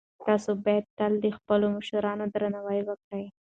تاسو باید تل د خپلو مشرانو درناوی وکړئ.